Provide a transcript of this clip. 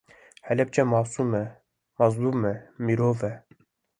Helepçe masum e, mezlum e, mirov e